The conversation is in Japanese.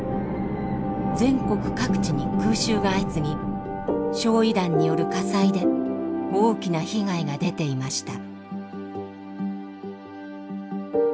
全国各地に空襲が相次ぎ焼夷弾による火災で大きな被害が出ていました。